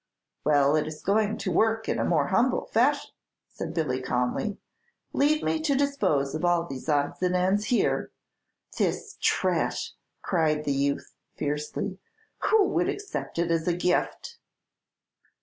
"Well, it is going to work in a more humble fashion," said Billy, calmly. "Leave me to dispose of all these odds and ends here " "This trash!" cried the youth, fiercely. "Who would accept it as a gift?"